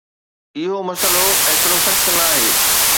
اهو مسئلو ايترو سخت ناهي